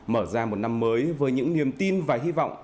mở ra một năm mới với những niềm tin và hy vọng